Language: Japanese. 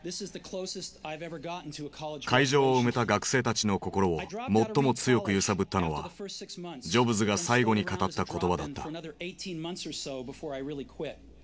会場を埋めた学生たちの心を最も強く揺さぶったのはジョブズが最後に語った言葉だった。